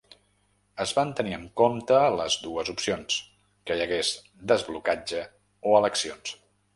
Es van tenir en compte les dues opcions, que hi hagués desblocatge o eleccions.